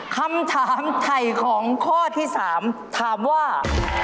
คำถามไถ่ของข้อที่๓ถามว่า